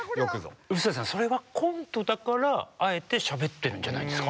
臼田さんそれはコントだからあえてしゃべってるんじゃないですか？